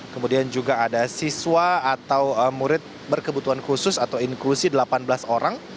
kemudian juga ada siswa atau murid berkebutuhan khusus atau inklusi delapan belas orang